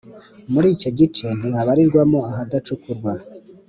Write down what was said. Muri icyo gice ntihabarirwamo ahadacukurwa